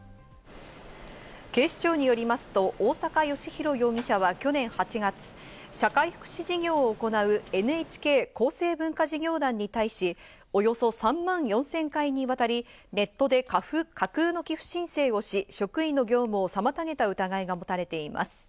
警視庁によりますと大坂良広容疑者は去年８月、社会福祉事業を行うＮＨＫ厚生文化事業団に対し、およそ３万４０００回にわたりネットで架空の寄付申請をし、職員の業務を妨げた疑いが持たれています。